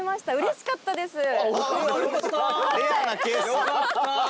よかった。